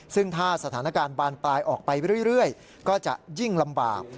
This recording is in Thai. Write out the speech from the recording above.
ซึ่งถ้าสถานการณ์บานปลายออกไปเรื่อยก็จะยิ่งลำบาก